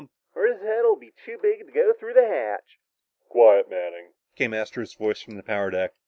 "Or his head'll be too big to go through the hatch." "Quiet, Manning," came Astro's voice from the power deck.